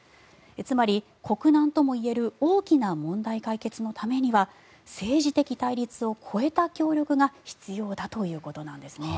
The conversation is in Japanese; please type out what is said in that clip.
つまり、国難ともいえる大きな問題解決のためには政治的対立を超えた協力が必要だということなんです。